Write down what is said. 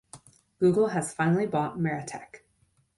Google has finally bought Marratech.